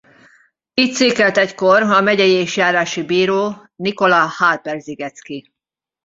Itt székelt egykor a megyei és járási bíró Nikola Halper-Sigetski.